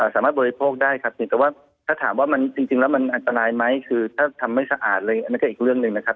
บริโภคได้ครับเพียงแต่ว่าถ้าถามว่ามันจริงแล้วมันอันตรายไหมคือถ้าทำไม่สะอาดเลยอันนั้นก็อีกเรื่องหนึ่งนะครับ